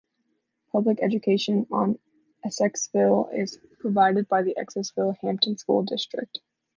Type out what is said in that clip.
Public education in Essexville is provided by the Essexville-Hampton School District.